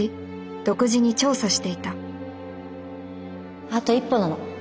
独自に調査していたあと一歩なの。